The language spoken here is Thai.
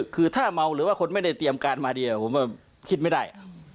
คือถ้าเมาหรือว่าคนไม่ได้เตรียมการมาเดียวผมว่าคิดไม่ได้